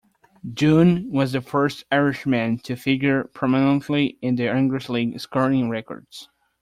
Dunne was the first Irishman to figure prominently in the English League scoring records.